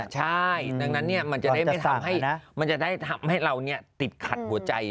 ใช่ดังนั้นมันจะได้ทำให้เราติดขัดหัวใจ